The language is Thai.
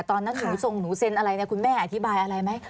ตอนนั้นหนูทรงหนูเซ็นอะไรเนี่ยคุณแม่อธิบายอะไรไหม